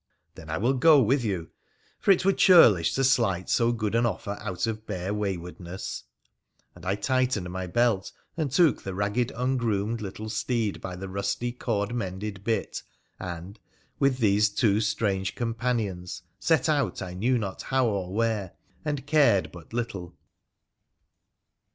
' Then I will go with you, for it were churlish to slight so good an offer out of bare waywardness '; and I tightened my belt, and took the ragged ungroomed little steed by the rusty, cord mended bit, and, with these two strange com panions, set out I knew not how or where, and cared but little.